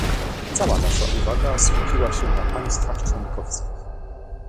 Cała nasza uwaga skupiła się na państwach członkowskich